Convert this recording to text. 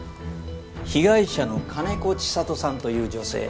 被害者の金子千里さんという女性